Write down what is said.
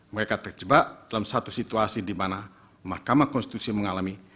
mereka terjebak dalam satu situasi di mana mahkamah konstitusi mengalami